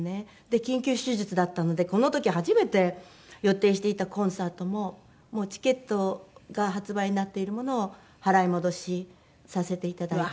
緊急手術だったのでこの時初めて予定していたコンサートももうチケットが発売になっているものを払い戻しさせていただいたり。